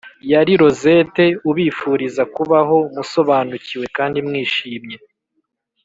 yari rosette ubifuriza kubaho musobanukiwe kandi mwishimye!